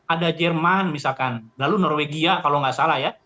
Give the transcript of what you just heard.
ada jerman misalkan lalu norwegia kalau nggak salah ya